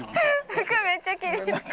服めっちゃ気になる。